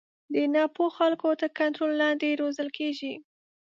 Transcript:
د نا پوه خلکو تر کنټرول لاندې روزل کېږي.